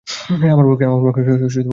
আমার পক্ষে বলা সম্ভব নয়।